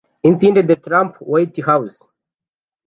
Inside the Trump White House